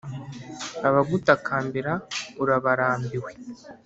abagutakambira urabarambiwe